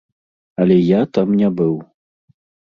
Але я там не быў.